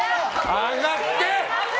上がって！